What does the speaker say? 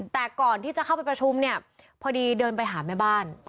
แต่ก่อนที่จะเข้าไปประชุมเนี่ยพอดีเดินไปหาแม่บ้าน